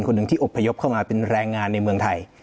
หนึ่งที่อบพยพเข้ามาเป็นแรงงานในเมืองไทย